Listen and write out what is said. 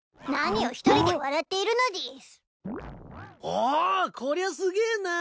おお！こりゃすげえなぁ。